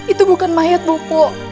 itu bukan mayat bopo